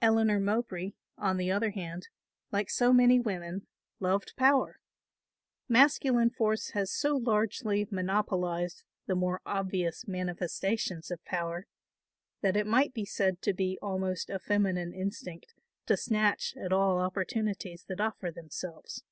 Eleanor Mowbray, on the other hand, like so many women, loved power. Masculine force has so largely monopolised the more obvious manifestations of power that it might be said to be almost a feminine instinct to snatch at all opportunities that offer themselves.